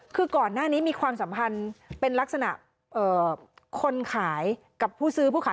คือก่อนหน้านี้มีความสัมพันธ์เป็นลักษณะคนขายกับผู้ซื้อผู้ขาย